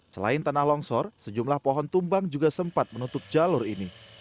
selain tanah longsor sejumlah pohon tumbang juga sempat menutup jalur ini